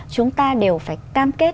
chúng ta đều phải cam kết